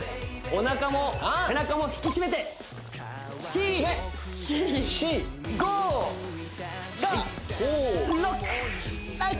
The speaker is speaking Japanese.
おなかも背中も引き締めて引き締め！